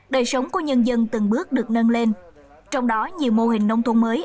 đời sống của nhân dân từng bước được nâng lên trong đó nhiều mô hình nông thôn mới